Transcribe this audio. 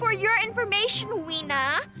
untuk informasimu wina